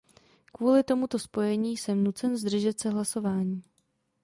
Kvůli tomuto spojení jsem nucen zdržet se hlasování.